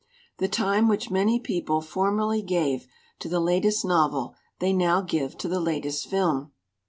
The time which many people formerly gave to the latest novel they now give to the latest film.